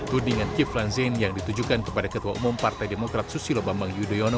tudingan kiflan zain yang ditujukan kepada ketua umum partai demokrat susilo bambang yudhoyono